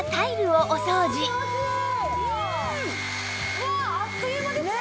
うわっあっという間ですね！